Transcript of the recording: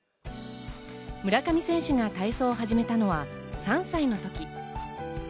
村上選手が体操を始めたのは３歳のとき。